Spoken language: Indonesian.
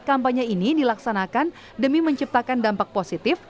kampanye ini dilaksanakan demi menciptakan dampak positif